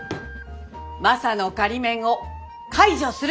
マサの仮免を解除する。